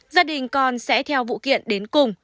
gia đình con sẽ theo vụ kiện đến cùng